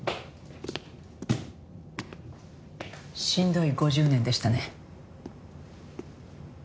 しんどい５０年でしたね。